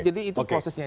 jadi itu prosesnya